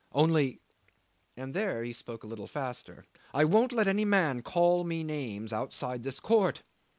Only" and there he spoke a little faster "I won't let any man call me names outside this court.